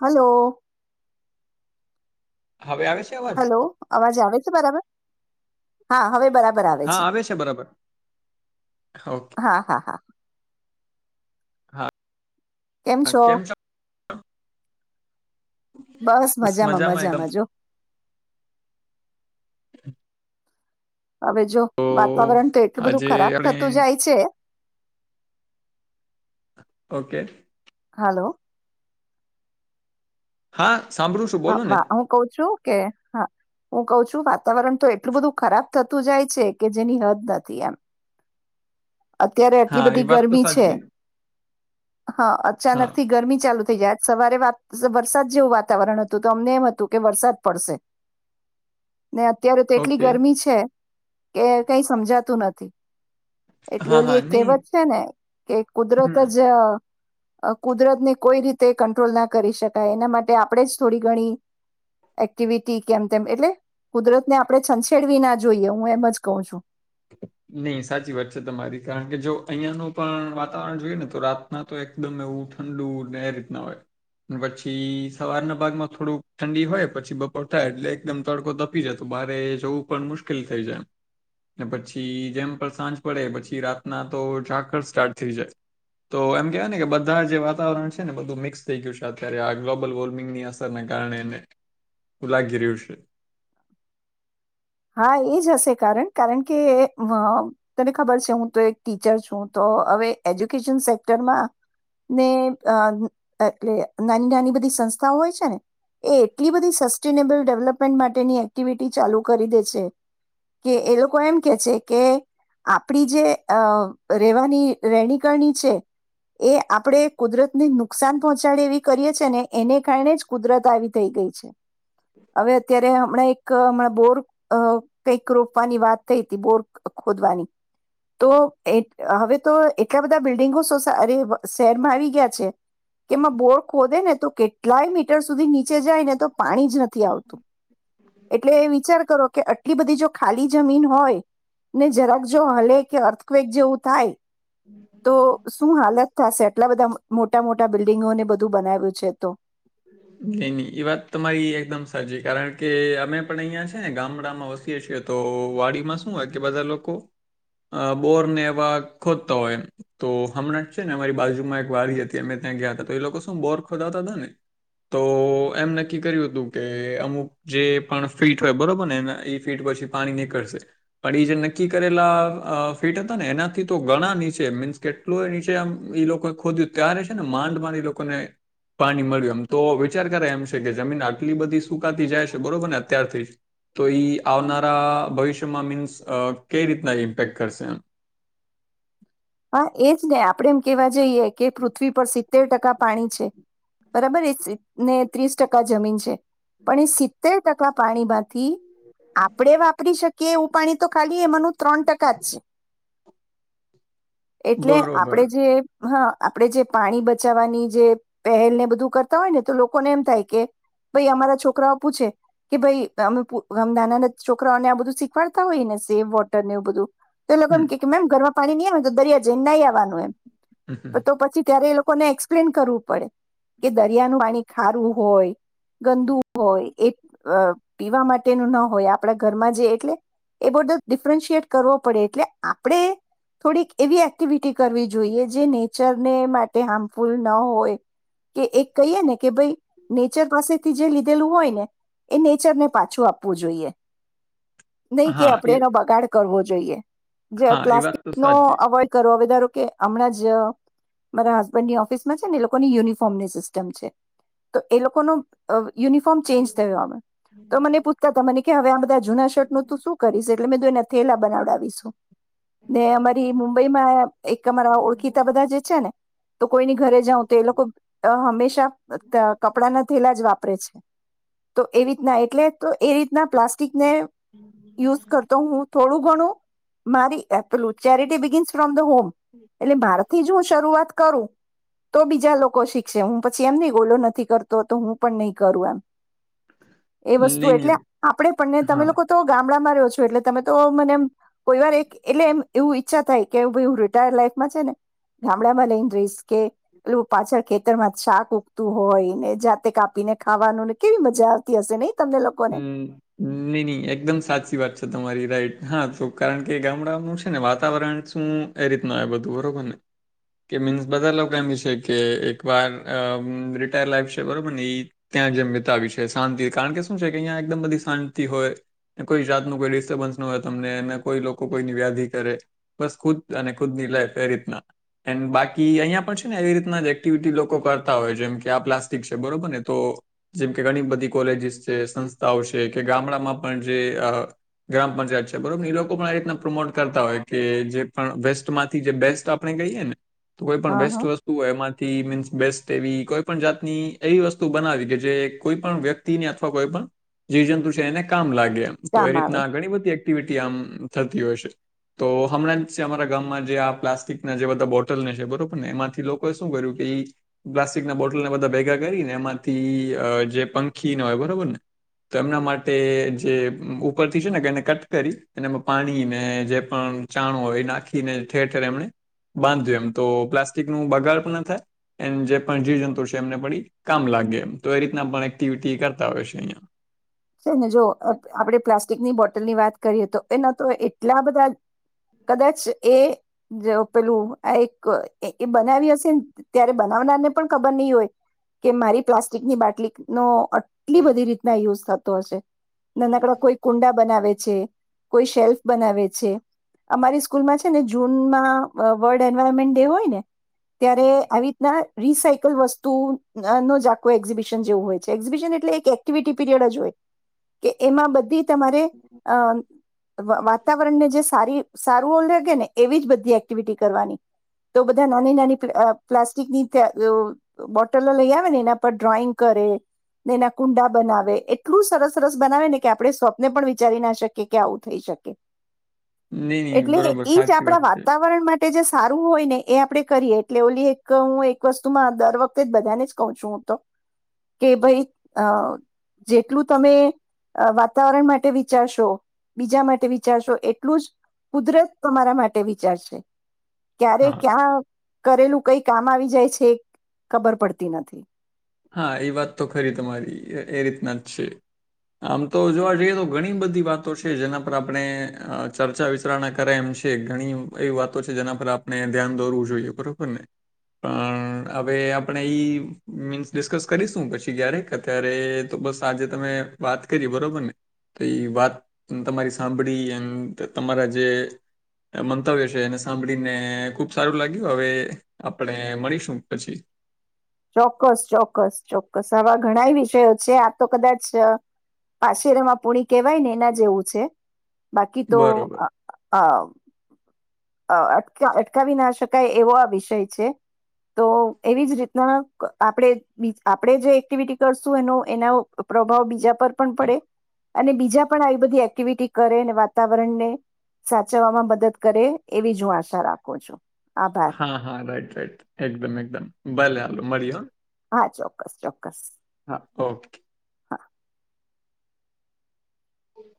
Hello. હવે આવે છે અવાજ હલો અવાજ આવે છે બરાબર. હા હવે- બરાબર આવે છે ઓકે હા હા હા. હા. કેમ છો? બસ મજામાં મજામાં જો. હવે જો તો વાતાવરણ તો એટલું બધું આજે ખરાબ આપણે થતું જાય છે. ઓકે. હાલો. હા. સાંભળું છું હ બોલો ને વા હું કવ છું કે હા હું કઉ છું વાતાવરણ તો એટલું બધું ખરાબ થતું જાય છે, કે જેની હદ નથી એમ. અત્યારે આટલી હા એ બધી વાત તો ગરમી છે સાચી હા હા અચાનક થી ગરમી ચાલુ આજ સવારે વરસાદ જેવું વાતાવરણ હતું તો અમને એમ હતું કે વરસાદ પડશે. ને અત્યારે તો એટલી ઓકે ગરમી છે. કે કઈ સમજાતું નથી. એટલે હા ઓલી હા એક નહીં કહેવત છે ને કે કુદરત હમ જ કુદરત ને કોઈ રીતે કંટ્રોલ ના કરી શકાય એના માટે આપણેે જ થોડી ઘણી એક્ટિવિટી કેમ તેમ એટલે કુદરતને આપણે છંછેડવી ના જોઈએ હું એમ જ કહું છું. નહી સાચી વાત છે, તમારી કારણ કે જો અહીિયાયાનું પણ વાતાવરણ જોઈએ ને તો રાતના તો એકદમ એવું ઠંડુ ને એ રીતના હોય પછી સવારના ભાગમાં થોડુંક ઠંડી હોય પછી બપોર થાય એટલે એકદમ તડકો તપી જાય તો બરે જોવું પણ મુશ્કેલ થઈ જાય એમ. ને પછી જેમ પર સાંજ પડે પછી રાતના તો ઝાકળ સ્ટાર્ટ થઈ જાય, તો એમ કહેવાય ને કે બધા જે વાતાવરણ છે ને બધું મિક્સ થઈ ગયું છે અત્યારે આ ગ્લોબલ વોર્મિંગની અસરને કારણે એને લાગી રહ્યું છે. હા એ જ હશે કારણ કારણ કે તને ખબર છે હું તો એક ટીચર છું તો હવે એજ્યુકેશન સેક્ટરમાં ને એટલે નાની નાની બધી સંસ્થાઓ હોય છે ને એટલી બધી સસ્ટેનેબલ ડેવલપમેન્ટ માટેની એક્ટિવિટી ચાલુ કરી દે છે કે એ લોકો એમ કે છે કે આપડી જે અ રહેેવાની રહેણી કરણી છે એ આપણે કુદરતને નુકસાન પહોંચાડે એવી કરીએ છે ને એને કારણે જ કુદરત આવી થઈ ગઈ છે હવે અત્યારે હમણાં એક હમણાં બોર અ કંઈક રોપવાની વાત થઈ હતી, બોર ખોદવાની તો એ હવે તો એટલા બધા બિલ્ડિંગો સોસા અરે શહેરમાં આવી ગયા છે. કે એમાં બોર ખોદે ને તો કેટલાય મીટર સુધી નીચે જાય ને તો પાણી જ નથી, આવતું એટલે એ વિચાર કરો કે આટલી બધી જો ખાલી જમીન હોય ને જરાક જો હલે કે અર્થક્વેક જેવું થાય. તો શું હાલત થશે એટલા બધા મોટા મોટા બિલ્ડિંગોને બધું બનાવ્યું છે તો! નઈ નહી એ વાત તમારી એકદમ સાચી કારણ કે અમે પણ અહિયાં છે ગામડામાં વસીએ છીએ તો વાડીમાં શું હોય કે બધા લોકો બોર ને એવા ખોદતા હોય તો હમણાં છે ને અમારી બાજુમાં એક વાડી હતી અમે ત્યાં ગયા હતા તો એ લોકો શું બોર ખોદાતા હતા ને તો એમ નક્કી કર્યું હતું કે અમુક જે પણ ફીટ હોય બરોબર ને એ એ ફીટ પછી પાણી નીકળશે પણ એ જે નક્કી કરેલા ફીટ હતા ને એનાથી તો ઘણા નીચે મીન્સ કેટલું એ નીચે આમ લોકોએ ખોદ્યું ત્યારે છે ને માંડ માં એ લોકોને પાણી મળ્યું એમ. તો વિચાર કરાય એમ છે કે જમીન આટલી બધી સુકાતી જાય છે બરોબર ને અત્યારથી જ તો ઇ આવનારા ભવિષ્યમાં મીન્સ કઈ રીતના ઇમ્પેક્ટ કરશે એમ. હા એજ ને આપડે એમ કેવાય જઈએ કે પૃથ્વી પર સિત્તેર ટકા પાણી છે. બરાબર એ ને ત્રીસ ટકા જમીન છે, પણ એ સિત્તેર ટકા પાણીમાંથી આપડે વાપરી શકીએ. કે એવું પાણી તો ખાલી એમાનુ ત્રણ ટકા જ છે. એટલે આપડે બરોબર જે હા આપડે જે પાણી બચાવવાની જે પહેલને બધું કરતા હોય ને તો લોકોને એમ થાય કે ભાઈ અમારા છોકરાઓ પૂછે કે ભાઈ અમે નાનાના છોકરાઓને આ બધું શીખવાડતા હોય ને સેવ વોટર ને એવું બધું તો એ લોકો હમ એમ કે કે મેમ ઘરમાં [unintelligible] [unintelligible] [inaudible] આવવાનું એમ હમ, હમ. તો પછી ત્યારે એ લોકો લોકોને એક્સપ્લેન કરવું પડે કે દરિયાનું પાણી ખારું હોય. ગંદુ હોય એ અ પીવા માટેનું ના હોય આપણા ઘરમાં જે એટલે એ બધો ડિફરન્શિએટ કરવો પડે એટલે આપણે થોડીક એવી એક્ટિવિટી કરવી જોઈએ જે નેચરને માટે હાર્મફુલ ન હોય કે એક કહીએ ને કે ભાઈ નેચર પાસેથી જે લીધેલું હોય ને એ નેચરને પાછું આપવું જોઈએ. નહી કે હા આપડે એ એનો બગાડ કરવો. જોઈએ. જે હા એ વાત તો પ્લાસ્ટિક નો સાચી [unintelligible] ધારો કે હમણાં જ મારા હસબન્ડની ઓફિસમાં છે ને એ લોકોની યુનિફોર્મની સિસ્ટમ છે, તો એ લોકોનો યુનિફોર્મ ચેન્જ થયો, તો મને પૂછતા તા મને કે હવે આમ બધા જ જુના શર્ટનું તુ શું કરીશ? એટલે મેં કીધું એના થેલા બનાવડાવીશું. ને અમે મુંબઈમાં એક અમારા ઓળખીતા બધા જે છે ને તો કોઈની ઘરે જાઉં તો એ લોકો હંમેશા કપડા ના થેલા જ વાપરે છે, તો એ રીતના એટલે તો એ રીતના પ્લાસ્ટિક ને યુઝ કરતો હું થોડું ઘણું મારી એ charity begins from the home એટલે મારાથી જ હું શરૂઆત કરું તો બીજા લોકો શીખશે, હું પછી એમ નઈ ઓલો નથી કરતો તો હું પણ નહી કરું એમ. એ વસ્તુ નહીં એટલે નહીં આપડે પણને તમે હા લોકો તો ગામ ગામડામાં રહ્યો છો, એટલે તમે તો મને કોઈ વાર એક એટલે એ એવું ઈચ્છા થાય કે ભાઈ હું રિટાયર્ર લાઈફમાં છે, ને ગામડામાં લઈ ને રઈશ કે એટલે પાછળ ખેતરમાં જ શાક ઉગતું હોય ને, જાતે કાપીને ખાવાનું ને કેવી મજા આવતી હશે નહી! તમને લોકોને હમ્મ, ની ની એકદમ સાચી વાત છે તમારી રાઈટ. હા તો કારણ કે ગામડાઓનું છે ને વાતાવરણ શું એ રીતના હોય બધું બરોબર ને કે મીન્સ બધા લોકો એમ ઈચ્છે કે એક વાર રિટાયર લાઈફ છે, બરોબર ને એ ત્યાં જેમ વિતાવી છે શાંતિ કારણ કે શુ છે કે અહીંયા એકદમ બધી શાંતિ હોય ને કોઈ જાતનું કોઈ ડિસ્ટર્બન્સ ન હોય તમનેને કોઈ લોકો કોઈની વ્યાધિ કરે બસ ખુદ અને ખુદ ની લાઈફ એ રીતના એ બાકી અહીંયા પણ છે ને એવી રીતના એક્ટિવિટી લોકો કરતા હોય જેમ કે આ પ્લાસ્ટિક છે બરોબર ને તો જેમ કે ઘણી બધી કોલેજીસ જે સંસ્થાઓ છે કે ગામડામાં પણ જે ગ્રામ પંચાયત છે, બરોબર છે ને એ લોકો પણ આ રીતના પ્રમોટ કરતા હોય કે જે પણ વેસ્ટમાંથી જે બેસ્ટ આપણે કહીએ ને- કોઈ પણ હા વેસ્ટ હા વસ્તુ હોય એમાંથી મીન્સ બેસ્ટ એવી કોઈ પણ જાતની એવી વસ્તુ બનાવી કે જે કોઈ પણ વ્યક્તિને કોઈ પણ જીવ જંતુ છે એને કામ લાગે અમે એ કામ આવે રીતના ઘણી બધી એક્ટિવિ આમ થતી હોય છે, તો હમણાં જ છે અમારા ગામમાં જે આ પ્લાસ્ટિકના જે બધા બોટલને છે, બરોબરને એમાંથી લોકોએ શું કર્યું કે ઈ પ્લાસ્ટિકના બોટલને બધા ભેગા કરીને એમાંથી જે પંખીને હોય બ બરોબરને તો એમના માટે જે ઉપરથી છે ને કે એને કટ કરી ને એ માં પાણીને જે પણ ચાણ હોય એ નાખીને ઠેર ઠેર એમને બાંધ્યું, એમ તો પ્લાસ્ટિક નું બગાડ પણ એન થાય, એમ જે પણ જીવજંતુ છે, એમને પણ ઇ કામ લાગે તો એ રીતના પણ એક્ટિવિટી કર બતાવે છે અહયા. છે ને જો આપડે પ્લાસ્ટિકની બોટલની વાત કરીએ તો એ ન તો એટલા બધા કદાચ એ જો પેલું આ એક એ બનાવી હશે ને ત્યારે બનાવનારને પણ ખબર નહી હોય, કે મારી પ્લાસ્ટિકની બાટલીનો આટલી બધી રીતના યુઝ થત તો હશે. નાનાકડા કોઈ કુંડા બનાવે છે. કોઈ શેલ્ફ બનાવે છે અમારી સ્કૂલમાં છે, ને જૂનમાં વર્લ્ડ એન્વાયરમેન્ટ ડે હોય ને ત્યારે આવી રીતના રિસાયકલ વસ્તુ નો જ આખો એક્ઝિબિશન જેવું હોય છે એક્ઝિબિશન એટલે એક્ટિવિટી પીરિયડ જ હોય. કે એમાં બધી તમારે અ વાતાવરણને જે સારી સારું ઓ લગે ને એવી જ બધી એક્ટિવિટી કરવાની તો બધા નાની-નાની પ્લાસ્ટિકની બોટલો લઈ આવે ને એના પર ડ્રોઈંગ કરે ને એના કુંડા બનાવે એ એટલું સરસ-સરસ બનાવે ને કે આપણે સ્વપ્ને પણ વિચારી ના શકીએ કે આવું થઈ શકે. નહી નહી એટલે બરોબર ઈ જ સાચી આપણા વાત છે વાતાવરણ માટે જે સારું હોય ને એ આપડે કરીએ એટલે ઓલી એક હું એક વસ્તુમાં દર વખતે જ બધાને જ કહ છું હું તો કે ભાઈ અ જેટલું તમે વાતાવરણ માટે વિચારશો બીજા માટે વિચારશો એટલું જ કુદરત તમારા માટે વિચારશે. ક્યારે હા ક્યાં કરેલું કઈક કામ આવી જાય છે, ખબર પડતી નથી. હા એ વાત તો ખરી તમારી એ રીતના જ છે. આમ તો જોવા જઈએ તો ઘણી બધી વાતો છે, જેના પર આપણે ચર્ચા વિચારણા કરાય એમ છે ઘણી એવી વાતો છે જેના પર આપણે ધ્યાન દોરવું જોઈએ બરોબર ને પણ હવે આપણે આ મીન્સ ડિસ્કસ કરીશું પછી ક્યારેક અત્યારે તો બસ આજે તમે વાત કરી બરોબર ને તો એ વાત તમારી સાંભળી એ તમારા જે મંતવ્ય છે એને સાંભળીને ખુબ સારું લાગ્યું હવે આપણે મળીશું પછી. ચોક્કસ ચોક્કસ ચોક્કસ આવા ઘણાય વિષયો છે આ તો કદાચ પાછરમાં પુણી કેહેવાય ને એના જેવું છે. બાકી તો બરોબર આ ટ અટકાવી ના શકાય એવો આ વિષય છે તો એવી જ રીતના આપણે આપણે જે એક્ટિવિટી કરશું એનો એના પ્રભાવ બીજા પર પણ પડે અને બીજા પણ આવી બધી એક્ટિવિટી કરે વાતાવરણને સાચવવામાં મદદ કરે. એવી જ હું આશા રાખું છું. આભાર હા હા રાઈટ રાઈટ એકદમ એકદમ ભલે હાલો. મળીએ હો. હા ચોક્કસ ચોક્કસ. હા ઓકે. હા. હમ.